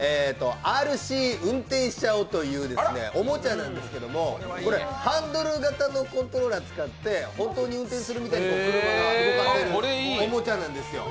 Ｒ／Ｃ運転しちゃおということでハンドル型のコントローラーを使って本当に運転するかのように動かせるおもちゃなんです。